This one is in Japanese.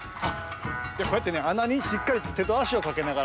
こうやってねあなにしっかりとてとあしをかけながらね